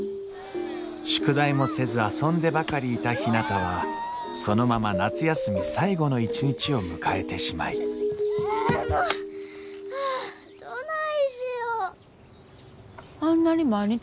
宿題もせず遊んでばかりいたひなたはそのまま夏休み最後の一日を迎えてしまいあもう！